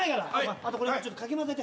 あとかき混ぜて。